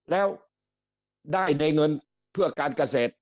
แล้วได้ในเงินเพื่อการเกษตร